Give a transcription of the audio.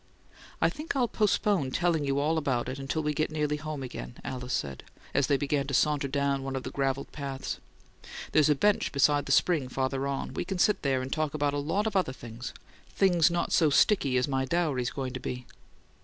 "I think I'll postpone telling you about it till we get nearly home again," Alice said, as they began to saunter down one of the gravelled paths. "There's a bench beside a spring farther on; we can sit there and talk about a lot of things things not so sticky as my dowry's going to be."